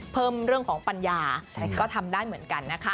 เพิ่มเรื่องของปัญญาก็ทำได้เหมือนกันนะคะ